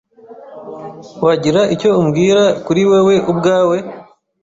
Wagira icyo umbwira kuri wewe ubwawe?